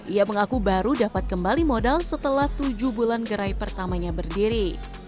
ia mengaku baru dapat kembali modal setelah tujuh bulan gerai pertamanya berdiri